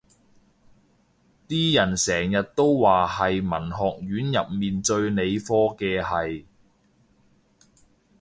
啲人成日都話係文學院入面最理科嘅系